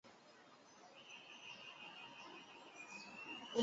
广川町是和歌山县的一町。